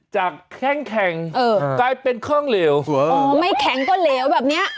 จากแข็งกลายเป็นข้องเหลวอ๋อไม่แข็งก็เหลวแบบนี้